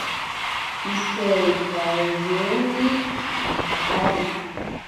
Iseikaeyeni antari.